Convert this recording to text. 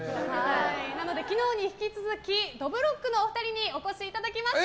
昨日に引き続きどぶろっくのお二人にお越しいただきました！